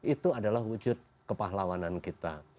itu adalah wujud kepahlawanan kita